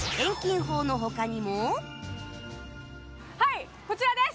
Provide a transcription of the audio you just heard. はいこちらです！